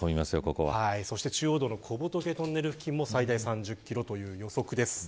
そして中央道の小仏トンネル付近の最大３０キロという予測です。